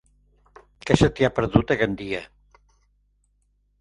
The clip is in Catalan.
Què se t'hi ha perdut, a Gandia?